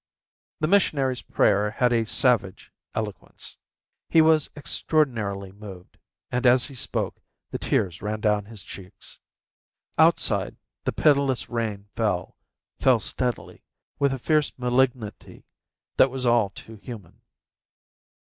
The missionary's prayer had a savage eloquence. He was extraordinarily moved, and as he spoke the tears ran down his cheeks. Outside, the pitiless rain fell, fell steadily, with a fierce malignity that was all too human.